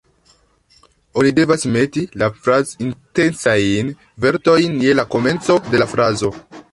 Oni devas meti la "fraz-intencajn" vortetojn je la komenco de la frazo